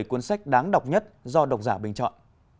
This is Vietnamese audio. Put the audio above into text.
một mươi cuốn sách đáng đọc nhất do đọc giả bình chọn